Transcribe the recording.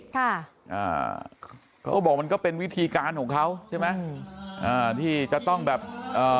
ค่ะอ่าเขาก็บอกมันก็เป็นวิธีการของเขาใช่ไหมอืมอ่าที่จะต้องแบบเอ่อ